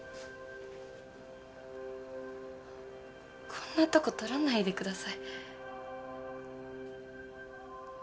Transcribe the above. こんなとこ撮らないでください。